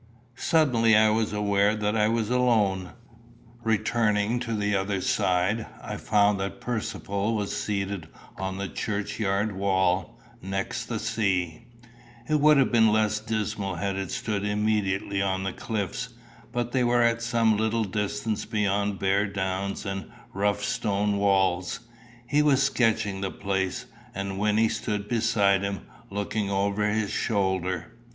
Suddenly I was aware that I was alone. Returning to the other side, I found that Percivale was seated on the churchyard wall, next the sea it would have been less dismal had it stood immediately on the cliffs, but they were at some little distance beyond bare downs and rough stone walls; he was sketching the place, and Wynnie stood beside him, looking over his shoulder.